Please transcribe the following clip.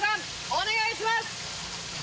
お願いします